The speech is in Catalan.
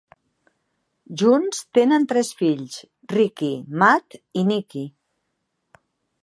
Junts tenen tres fills: Ricky, Matt i Nikki.